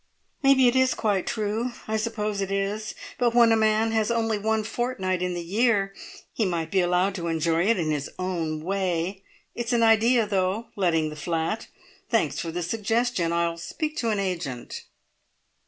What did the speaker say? "Maybe it is quite true. I suppose it is. But when a man has only one fortnight in the year, he might be allowed to enjoy it in his own way! It's an idea, though letting the flat. Thanks for the suggestion. I'll speak to an agent."